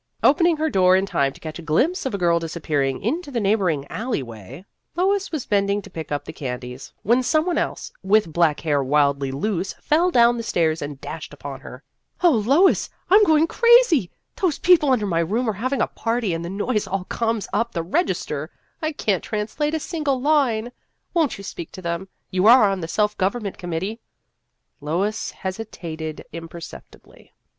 Opening her door in time to catch a glimpse of a girl disappearing into the neighboring alley way, Lois was bending to pick up the candies, when some one else with black hair wildly loose flew down the stairs, and dashed up to her. " Oh, Lois, I 'm going The History of an Ambition 39 crazy ! Those people under my room are having a party, and the noise all comes up the register. I can't translate a single line. Won't you speak to them ? You are on the self government com mittee." Lois hesitated imperceptibly.